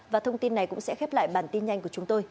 và thông tin này cũng sẽ khép lại bản tin nhanh của chúng tôi